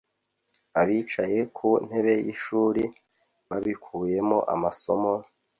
Abicaye ku ntebe y’ishuri babikuyemo amasomo,